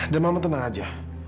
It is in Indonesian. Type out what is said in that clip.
dan mama tenang aja